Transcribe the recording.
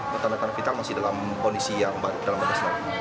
betan betan vital masih dalam kondisi yang dalam kecelakaan